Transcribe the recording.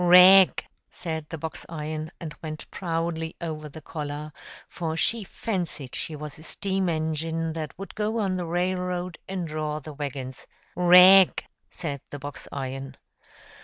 "Rag!" said the box iron; and went proudly over the collar: for she fancied she was a steam engine, that would go on the railroad and draw the waggons. "Rag!" said the box iron.